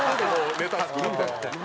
ネタ作るみたいになって。